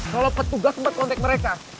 kalo petugas sempet kontek mereka